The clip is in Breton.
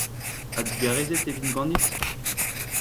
Ha digarezet e vin ganit ?